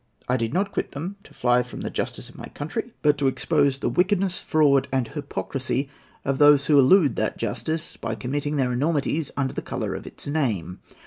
I did not quit them to fly from the justice of my country, but to expose the wickedness, fraud, and hypocrisy of those who elude that justice by committing their enormities under the colour of its name.